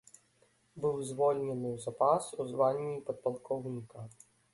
Быў звольнены ў запас у званні падпалкоўніка.